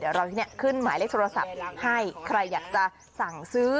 เดี๋ยวเราที่นี่ขึ้นหมายเลขโทรศัพท์ให้ใครอยากจะสั่งซื้อ